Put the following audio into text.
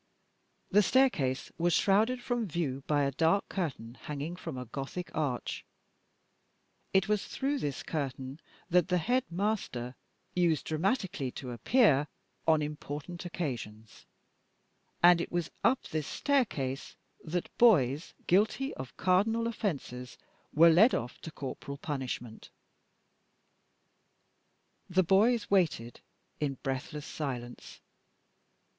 The staircase was shrouded from view by a dark curtain hanging from a Gothic arch; it was through this curtain that the headmaster used dramatically to appear on important occasions, and it was up this staircase that boys guilty of cardinal offences were led off to corporal punishment. The boys waited in breathless silence.